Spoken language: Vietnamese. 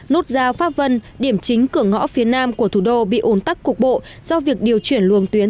nút giao pháp vân điểm chính cửa ngõ phía nam của thủ đô bị ồn tắc cục bộ do việc điều chuyển luồng tuyến